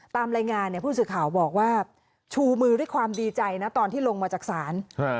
ตามรายงานผู้สื่อข่าวบอกว่าชูมือด้วยความดีใจนะตอนที่ลงมาจากศาล